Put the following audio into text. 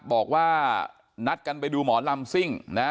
บอกว่านัดกันไปดูหมอลำซิ่งนะ